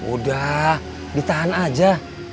udah ditahan aja